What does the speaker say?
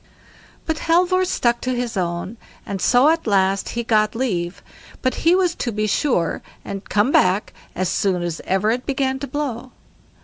But Halvor stuck to his own, and so at last he got leave, but he was to be sure and come back as soon as ever it began to blow.